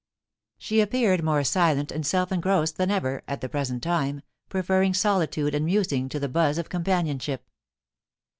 She appeared more silent and self engrossed than ever, at the present time, preferring solitude and musing to the buzz of companionship.